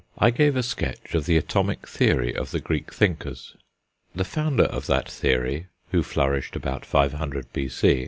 I gave a sketch of the atomic theory of the Greek thinkers. The founder of that theory, who flourished about 500 B.C.